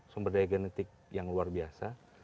sumber daya genetik yang luar biasa